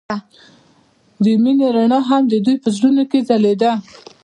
د مینه رڼا هم د دوی په زړونو کې ځلېده.